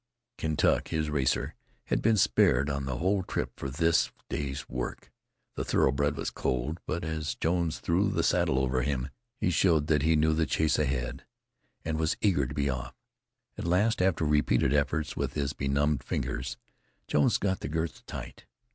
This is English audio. Kentuck, his racer, had been spared on the whole trip for this day's work. The thoroughbred was cold, but as Jones threw the saddle over him, he showed that he knew the chase ahead, and was eager to be off. At last, after repeated efforts with his benumbed fingers, Jones got the girths tight.